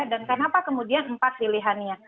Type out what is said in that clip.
dan kenapa kemudian empat pilihannya